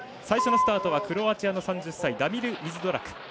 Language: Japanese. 最初のスタートはクロアチアの３０歳ダミル・ミズドラク。